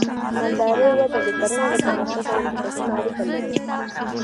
د مالدارۍ وده د کرنې له پرمختګ سره مستقیمه اړیکه لري.